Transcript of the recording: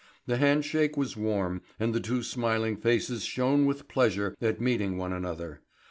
The handshake was warm, and the two smiling faces shone with pleasure at meeting one another.